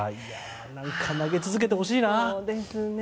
何か、投げ続けてほしいな。